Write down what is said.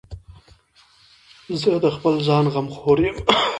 زه د خپل ځان غمخور یم.